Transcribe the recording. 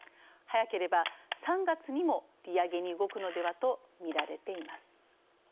早ければ３月にも利上げに動くのではとみられています。